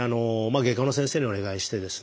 外科の先生にお願いしてですね